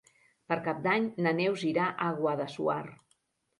Per Cap d'Any na Neus irà a Guadassuar.